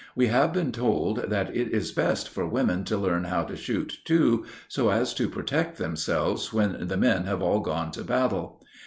We have been told that it is best for women to learn how to shoot too, so as to protect themselves when the men have all gone to battle.